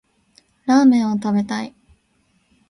ラーメンを食べたい